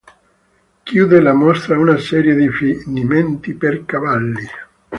Chiude la mostra una serie di finimenti per cavalli.